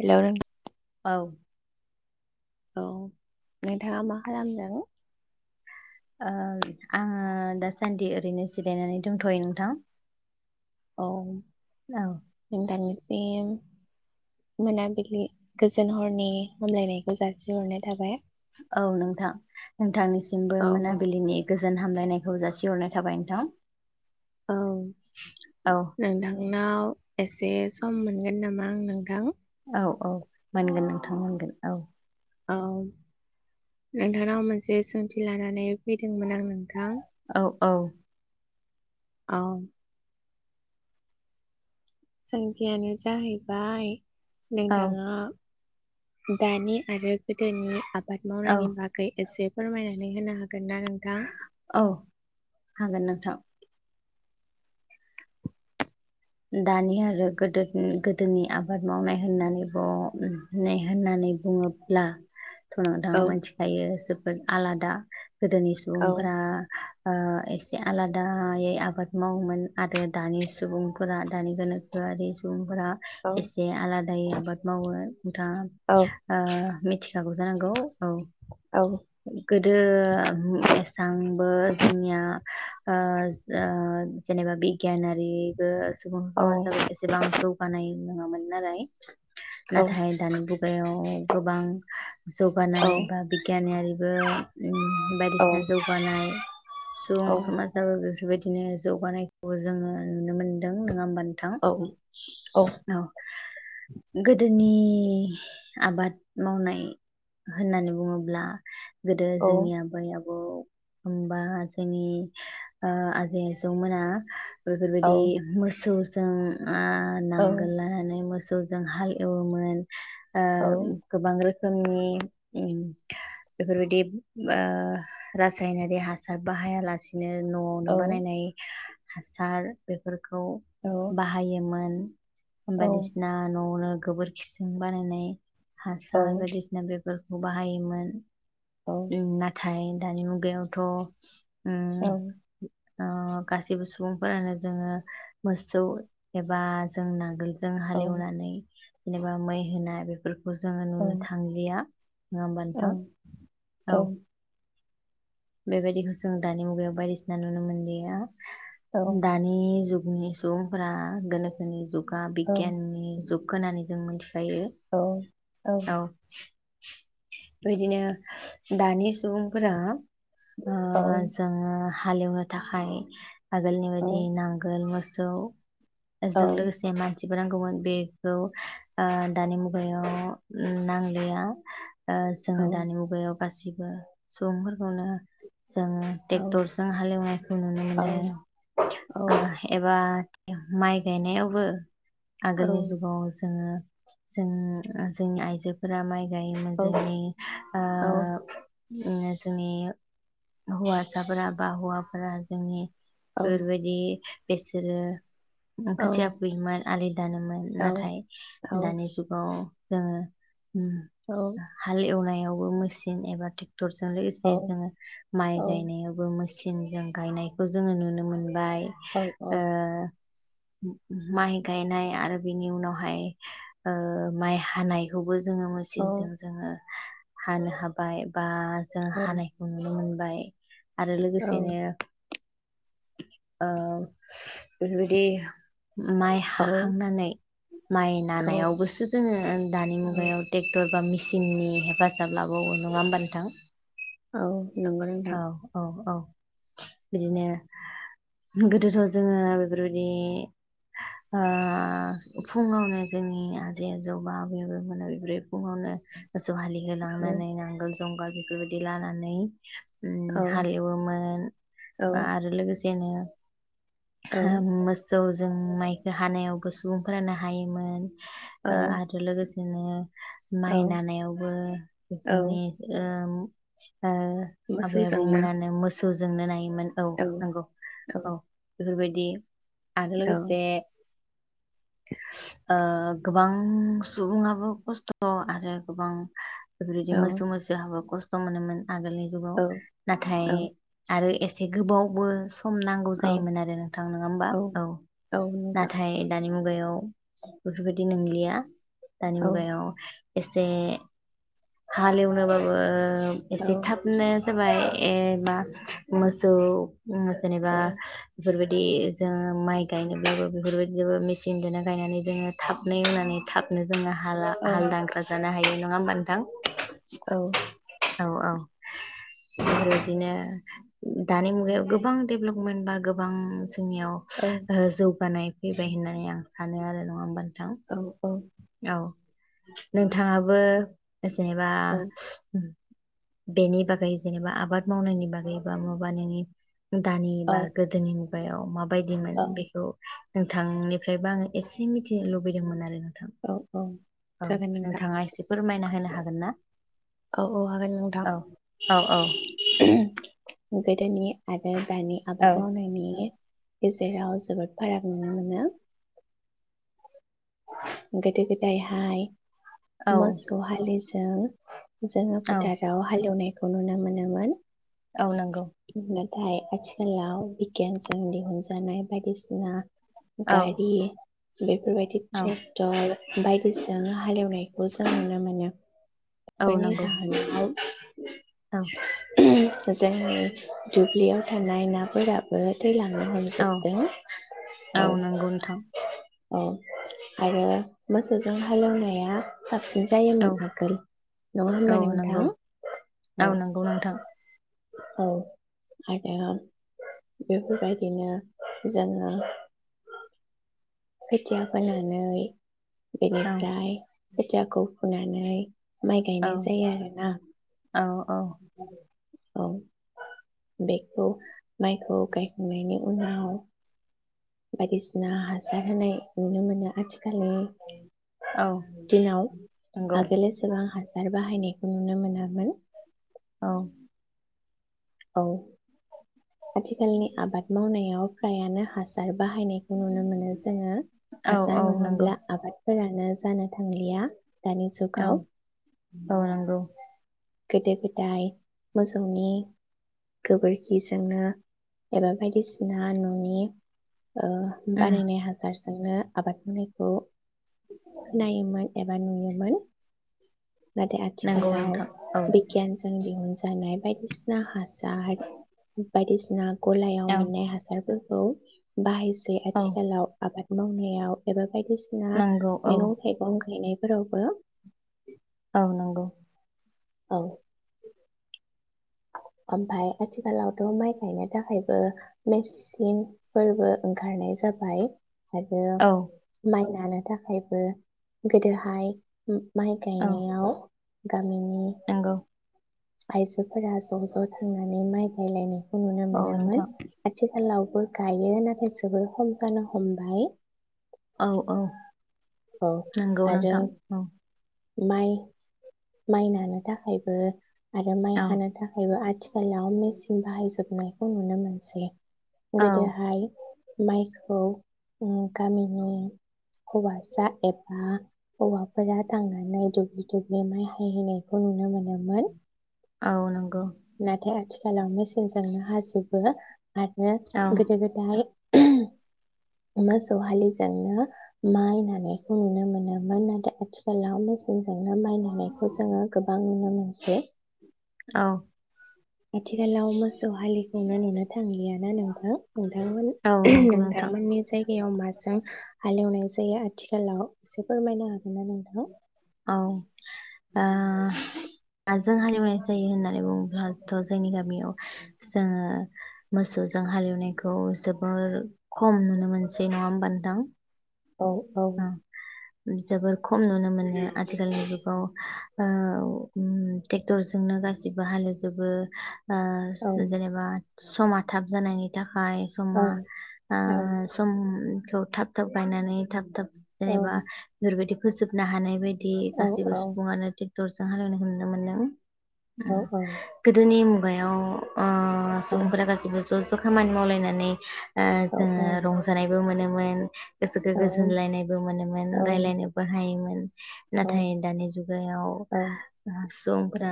Hello नोंथां। औ औ नोंथाङा मा खालामदों? आङो दासान्दि ओरैनो जिरायनानै दंथ'यो नोंथां। औ औ नोंथांनि बे मोनाबिलि गोजोन हरनि हामलायनायखौ जासिहरनाय थाबाय। औ नोंथां नोंथांनिसिमबो औ मोनाबिलिनि गोजोन हामलायनायखौ जासि हरनाय थाबाय नोंथां। औ औ नोंथां। नोंनाव एसे सम मोनगोन नामा आं नोंथां। औ औ मोनगोन नोंथां मोनगोन औ। औ नोंथांनाव मोनसे सोंथि लानानै फैदोंमोन आं नों। थां। औ औ। औ। सोंथि आंनोजाहैबाय औ नोंथाङा। दानि आरो गोदोनि। आबाद औ मावनायनि बागै एसे फोरमायनानै होनो हागोन ना नोंथां। औ हागोन नोंथां दानि आरो गोदो गोदोनि आबाद मावनाय होननानै होननानै बुङोब्ला। थना दा औ मिथिखायो जोब। आलादा। गोदोनि औ सुबुंफोरा। ओ एसे आलादायै आबाद मावोमोन आरो दानि सुबुं फोरा गोनोखोआरि सुबुं! फोरा औ एसे आलादायै आबाद मावो। नोंथांआ औ ओ मिथि [unintelligible] जानांगौ औ। गोदो एसांबो जोंनिया ओ ओ। जेनेबा बे! गियानारिबो सुबुं समाजाबो एसेबां जौगानाय। नङामोन। नालाय नाथाय दानि मुगायाव‌ गोबां। जौगानायनाय बा बिगियाननारि। ओ ओम बायदिसिना जौगानाय सुबुं समाजाबो बेफोर बेबायदिनो जौगानायखौ जोङो। नुनो मोनदों नङा होबा नोंथां औ गोदोनि नि आबाद मावनाय होननानै बुङोब्ला। गोदो जोंनि आबै आबौ। होनबा जोंनि ओ आजै आजौमोना बेफोरबायदि मोसौ जों ना नांगोल लानानै मोस औ जों हाल एवोमोन। ओ गोबां रो जोंनि बेफोरबायदि ओ रासायनारि हासार बाहायालासे बिदिनो न'आवनो बानायनाय हासार बेफोर खौ बाहायोमोन। होमबा बादिसिना न'आवनो गोबोरखिजों बानायनाय हासार बायदिसिना बे फोरखौ बाहायोमोन। ओं नाथाय दानि मुगायावथ' ओम ओ गासैबो सुबुंफोरानो जोंङो मोसौ एबा जों नांगोल जों हालेवनानै जेनेबा मै होनाय बेफोर खौ जोंङो नुनो थांलिया नंङा होनबा नोंथां। औ बेबायदिखौ जों दानि मुगायाव बायदिसिना नुनो मोनलिया दानि जुग नि सुबुंफोरा गोनोखोनि जुग गा बिगियाननि जुग होननानै जों मोनथि जायो औ बिदिनो दानि सुबुंफोरा जोंङो हालेवनो थाखाय आगोलनिबादि नांगोल मोसौ औ ओजों लोगोसे मान जेबो नांगौमोन बेखौ ओ दानि मुगायाव नांलिया। ओ जोङो दानि मुगायाव गासिबो सुबुंफोरखौनो जोङो टेक्टर जों हालेवनायखौ नुनो मोनो ओ एबा माइ गायनायावबो आगोलनि जुगाव जोङो जों जोंनि आइजोफोरा माय गायोमोन जोंनि ओ उम जोंनि हौवासाफोरा बा हौवाफोरा जोंनि फोरबायदि बेसोरो खोथिया फुयोमोन आलि दानोमोन नाथाय दानि जुगाव जोंङो उम हाल एवनाय यावबो मेसिन एबा टेक्ट टरजों लोगोसे जोङो माइ गायनायावबो मेसिनजों गायनायखौ जोङो नुनो मोन बाय ओ माइ गायनाय आरो बेनि उनावहाय ओ माइ हानायखौबो जोङो मेसिनजों जोङो हानो हाबाय बा जों हानाय नुनो मोनबाय। आरो लोगोसेनो अ बेफोरबादि माइ हाखांनानै माइ नानायावबोसो जोङो दानि औ मुगायाव टेक्टर बा मिसिन सिननि हेफाजाब लाबावो नङा होमबा नोंथां औ नंगौ नोंथां औ औ औ बिदिनो गोदोथ' जोङो बेफोरबायदि ओ फुङावनो जोंनि आजै आजौ बा आबै आबौमोना [unintelligible] फुङावनो मोसौ हालि औ होलांनानै नांगोल जंगाल बेफोरबायदि लानानै औ उम हालेवोमोन औ आरो लोगोसे बेनो औ हा मोसौ जों माइखो हानायावबो सुबुंफोरानो हायोमोन औ ओ आरो लोगो जोङो औ माइ नानायावबो औ जोंनि ओ ओ आबै-आबौ मोसौजोंनो मोनानो मो सौजोंनो नायो मोन औ नोंगौ औ बेफोरबायदि आरो औ लोगोसे ओ गोबां सुबुंआबो खस्थ' आरो गोबां बेफोरदि [unintelligible] खस थ' मोनोमोन आगोलै औ नाथाय आरो ए से गोबावबो सम नांगौ औ जायोमोन आरो नोंथां नोङा ओमबा? औ औ नोंथां नाथाय दानि मु मुगायाव बेफोरबायदि नोंलिया दानि औ औ मुगायाव एसे हालेउनो बाबो औ एसे थाबनो जाबाय एबा मा-मोसौ उम जेनेबा बेफोरबाय दि जोङो माइ गायनोब्लाबो बेफोरबायदिजोबो मेसिनजोंनो गायनानै जोङो थाबनो एउनानै थाबनो जोङो हाला हाल दांख्रा जानो हायो। नङा ओमबा नोंथां औ औ बेफोरबायदिनो दानि मुगायाव गोबां डेभलपमेन्ट बा गोबां जोंनियाव ओ जौगानाय फैबाय होननानै आं सानो आरो नङा होमबानो औ औ औ नोंथाङाबो जेनोबा बेनि बागै जेनेबा आबाद मावनायनि बागैबा माबा नोंनि दानि औ बा गोदोनि गायाव मा बायदिमोन बेखौ नोंथांनिफ्रायबो आङो एसे मिथिनो लुबैदोंमोन आरो नोंथां औ औ जागोन नोंथां नोंथाङा एसे फोरमायना होनो हागोन ना औ औ हागोन नोंथां। औ औ औ गोदोनि आरो दानि औ आबाद मावनायनायनि गेजेराव जोबोद फाराग नुनो मोनो। गोदो गोदाय हाय औ मोसौ हालि जों दो जोङो औ फोथाराव हालेवनाय खौ नुनो मोनोमोन औ नंगौ नाथाय आथिखालाव बिगियानजों दिहुनजानाय बायदिसिना औ गारि बेफोरबायदि औ सेदार बायदिसिना हालेवनायखौ जों नुनो मोनो। औ बेनि नंगौ जाहोनाव औ जोंनि दुब्लियाव थानाय नाफोरा [unintelligible] औ [unintelligible] औ नंगौ नोंथां औ आरो मोसौजों हालेवनाया साबसिन औ जायोमोन आगोल नङा औ होमबा नोंथां नंगौ औ नंगौ नोंथां औ आरो बेफोरबायदिनो जोङो खोथिया फोनानै औ बेनिफ्राय खोथियाखौ फुनानै माइ औ गायनाय जायो आरोना। औ औ औ बेखौ माइखौ गायखांनायनि उनाव बायदिसिना हासार होनाय नुनो मोनो आथिखा खालि औ दिनाव नंगौ आगोल एसेबां हासार बाहायनायखौ नुनो मोनामोन। औ औ आथिखालनि आबाद मावनायाव फ्रायानो हासार बाहायनायखौ नुनो मोनो जोङो औ हासार औ नंगौ नङाब्ला आबादफोरा नो जानो थांलिया दानि जुगाव औ औ नंगौ। गोदो गोदाय मोसौनि गोबोरखिजोंनो एबा बायदिसिना न'नि ओ उम बानायनाय हासार जोंनो आबाद मावनायखौ खोनायोमोन। मानियोमोन। नाथाय नंगौ आथिखालाव नोंथां औ बिगियानजों दिहुन जानाय बायदिसिना हासार जार बायदिसिना [unintelligible] गलायाव औ मोननाय हासारबो औ बाहायसै जे औ आथिखालाव आबाद मावनायाव एबा बायदिसिना नंगौ औ मैगं थाइगं गायनाय फोरावबो औ नंगौ। औ ओमफाय आथिखालावथ' माइ गायनो थाखायबो मेचनफोरबो ओंखारनाय जाबाय। आरो औ माइनानो थाखायबो गोदोहाय माइ औ गायनायाव गामिनि नंगौ आइजोफोरा ज' ज' थांनानै माइ गायलायनाय। खौ नुनो औ मोनोमोन नोंथां आथिखालाव बो गायो नाथाय जोबोर खम जानो हमबाय। औ औ औ नोंगौ आरो नोंथां औ। माइ माइ नानो थाखायबो आरो माइ औ हानो थाखायबो आथि खालाव मेचिन बाहायजोबनायखौ नुनो मोनसै। औ गोदो हाय माइखौ गामिनि हौवासा एबा हौवाफोरा थांनानै दुब्लि दुब्लि माइ हायहैनायखौ नुनो मोनोमोन। औ नंगौ। नाथाय आथिखालाव मेसिनजोंनो हाजोबो। आरो औ गोदो गोदाय मोसौ हालिजोंनो माइ नानायखौ नुनो मोनोमोन नाथाय आथिखालाव मो जोंजोंनो माइनायखौ जोङो गोबां नुनो मोनो [unintelligible] औ आथिखालाव मोसौ हालिखौनो नुनो थांलियाना नोंथां नोंथांमोन औ नंगौ नोंथां नोंथांमोननि जायगायाव माजों हालेवनाय जायो आथिखालाव एसे फोरमायना हागोनना नोंथां? औ ओ माजों हालेवनाय जायो होननानै बुङोब्लाथ' जोंनि गामियाव जोङो मोसौजों हालेवनायखौ जोबोर खम नुनो मोनसै नङा होमबा नोंथां? औ औ जोबोर खम नुनो मोनो। आथिखालनि जुगाव ओ उम्म ट्रेक्टरजोंनो गासिबो हालेवजोबो ओ औ जेनेबा समा थाब जानायनि था हाय औ समा आ औ सम खौ थाब थाब गायनानै थाब थाब औ जेनेबा बेफोरबायदि फोजोबनो हानाय बाय दि गासिबो औ औ सुबुंङानो दि टरजों हालेवनायखौ नुनो मोनदों। औ गोदोनि मुं मुगायाव अ सुबुंफोरा गासैबो ज' ज' खामानि मावलायनानै ओ औ जोंङो रंजानायबो मोनो। मोन गोसोखो औ गो [unintelligible] लायनायबो मोनोमोन औ रायलायनोबो हायोमोन नाथाय दानि जुगाव सुबुंफोरा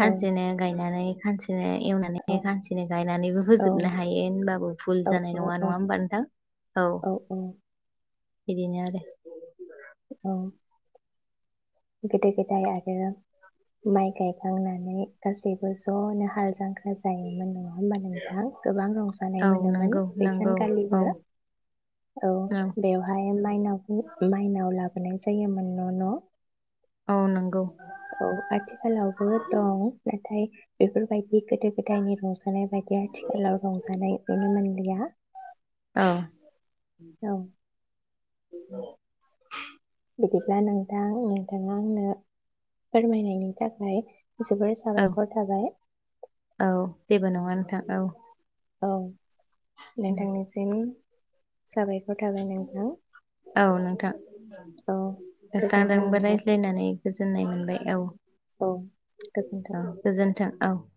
औ गायनानै खानसे नो एवनानै औ खानसेनो गायनानैबो औ फोजोबनो हायो होनबाबो भुल गोदो जानाय नङा नङा होमबा नोंथां? औ बिदिनो आरो औ गोदो गोदाय आरो माइ गायखांना नै गासैबो ज'नो हाल जां ख्रा जायोमोन नंङा होमबा नोंथां गोबां रंजानाय औ मोनोमोन नंगौ बेै नंगौ औ सानखालिबो औ बेवहाय माइनावखौ माइनाव ला जानाय जायोमोन न' न' औ नोंगौ औ आथिखालावबो दं नाथाय बेफोरबायदि गोदो गोदायनि रंजा जानाय बायदि आथिखालाव रंजानाय नुनो मोनलिया। औ औ बिदिब्ला नोंथां नोंथांङा आंनो फोरमायनायनि थाखाय जोबोर औ साबायखर थाबाय औ जेबो नंङा नोंथां। औ औ नोंथांनिसिम साबायखर थाबाय नोंथां औ, नोंथां औ गोजोन्थों नोंथांजोंबो नोंथां रायज्लायनानै गोजोननाय मोनबाय औ। औ गोजोनथों औ गोजोन्थों औ